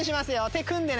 手組んでね。